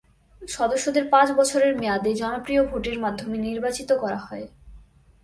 সদস্যদের পাঁচ বছরের মেয়াদে জনপ্রিয় ভোটের মাধ্যমে নির্বাচিত করা হয়।